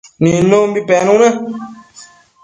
nidnumbi penuna